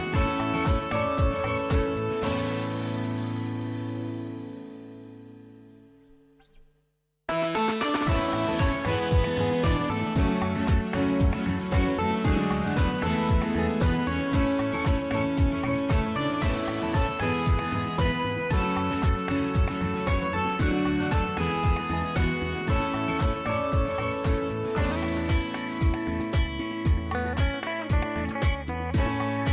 โปรดติดตามตอนต่อไป